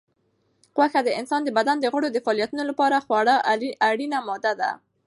غوښه د انسان د بدن د غړو د فعالیتونو لپاره خورا اړینه ماده ده.